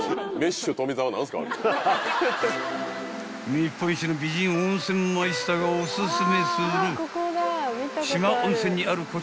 ［日本一の美人温泉マイスターがおすすめする］